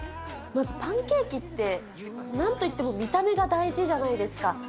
まずパンケーキって、なんといっても見た目が大事じゃないですか。